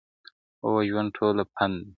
o ژوند ټوله پند دی.